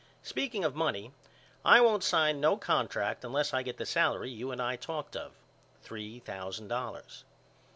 Speaking of money I won't sign no contract unless I get the salary you and I talked of, three thousand dollars.